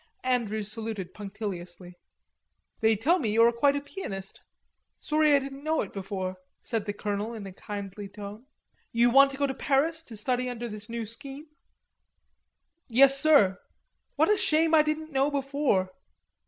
Andrews saluted punctiliously. "They tell me you are quite a pianist.... Sorry I didn't know it before," said the colonel in a kindly tone. "You want to go to Paris to study under this new scheme?" "Yes, sir." "What a shame I didn't know before.